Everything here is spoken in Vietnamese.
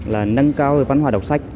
là nâng cao văn hóa đọc sách